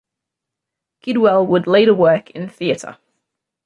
Kidwell would later work in theater.